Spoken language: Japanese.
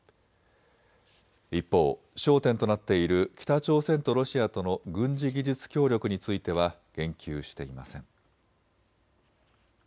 一方、焦点となっている北朝鮮とロシアとの軍事技術協力については言及していません。